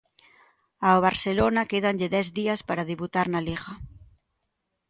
Ao Barcelona quédanlle dez días para debutar na Liga.